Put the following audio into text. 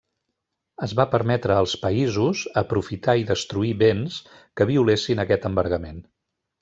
Es va permetre als països aprofitar i destruir béns que violessin d'aquest embargament.